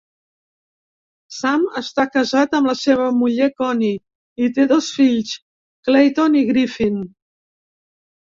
Sam està casat amb la seva muller, Connie, i té dos fills, Clayton i Griffin.